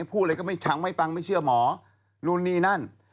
พูดอะไรก็ไม่ชังไม่ฟังไม่เชื่อหมอนู่นนี่นั่น